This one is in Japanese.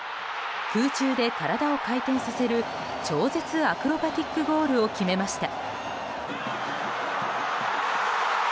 空中で体を回転させる超絶アクロバティックゴールを決めました。